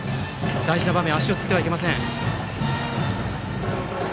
大事な場面足をつってはいけません。